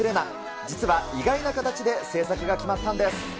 実は意外な形で制作が決まったんです。